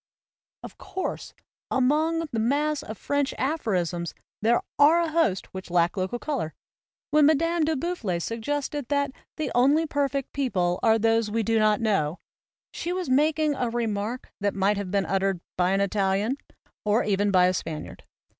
Of course, among the mass of French apho risms there are a host which lack local color. When Madame de Boufflers suggested that "the only perfect people are those we do not know," she was making a remark that might have been uttered by an Italian or even by a Spaniard.